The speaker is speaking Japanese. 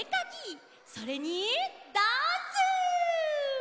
それにダンス！